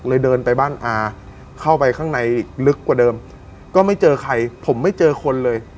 เดินไปบ้านอาเข้าไปข้างในอีกลึกกว่าเดิมก็ไม่เจอใครผมไม่เจอคนเลย